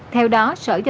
theo đồng chí